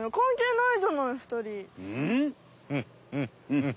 うん？